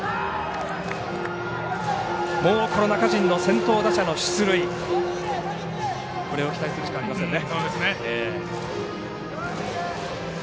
もうこの中陳の先頭打者の出塁これを期待するしかありませんね。